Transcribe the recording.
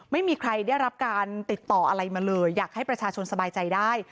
ไม่มีใครได้รับการติดต่ออะไรมาเลยอยากให้ประชาชนสบายใจได้